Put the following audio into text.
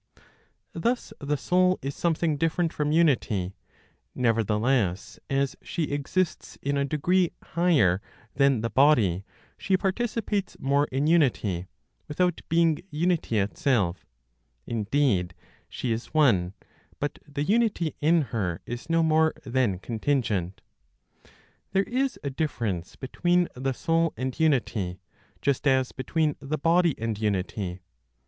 Thus the soul is something different from unity; nevertheless, as she exists in a degree higher (than the body), she participates more in unity, without being unity itself; indeed she is one, but the unity in her is no more than contingent. There is a difference between the soul and unity, just as between the body and unity.